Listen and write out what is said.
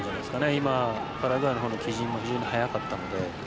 今、パラグアイの帰陣も非常に早かったので。